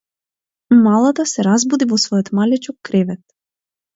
Малата се разбуди во својот малечок кревет.